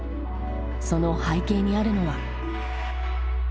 その背景にあるのは？